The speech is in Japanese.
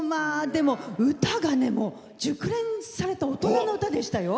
でも、歌がね熟練された大人の歌でしたよ。